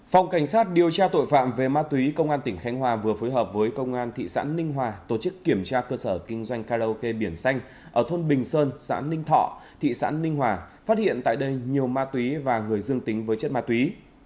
phòng cảnh sát điều tra tội phạm về ma túy công an tỉnh khánh hòa vừa phối hợp với công an thị xã ninh hòa tổ chức kiểm tra cơ sở kinh doanh karaoke biển xanh ở thôn bình sơn xã ninh thọ thị xã ninh hòa phát hiện tại đây nhiều ma túy và người dương tính với chất ma túy